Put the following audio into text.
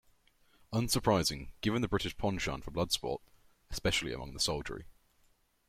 Unsurprising, given the British penchant for 'blood sport', especially among the soldiery.